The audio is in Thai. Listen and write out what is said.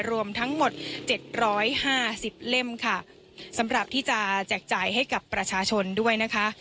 รวมทั้งหมดเจ็ดร้อยห้าสิบเล่มค่ะสำหรับที่จะแจกจ่ายให้กับประชาชนด้วยนะคะ